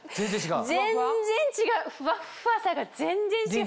全然違うふわっふわさが全然違う。